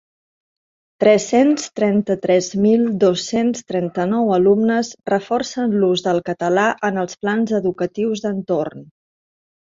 Tres-cents trenta-tres mil dos-cents trenta-nou alumnes reforcen l’ús del català en els plans educatius d’entorn.